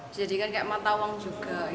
dijadikan kayak matawang juga